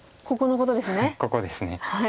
ここです。